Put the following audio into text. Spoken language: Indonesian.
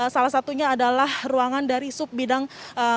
salah satunya adalah ruangan dari sub bidang mutasi pemerintah kabupaten